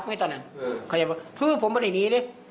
พูดว่าคือผมวันนี้ดิ